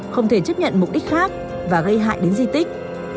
không thể chấp nhận mục đích khác và gây hại đến di tích